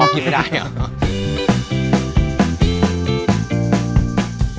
กินไม่ได้เหรอ